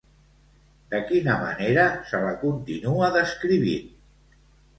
De quina manera se la continua descrivint?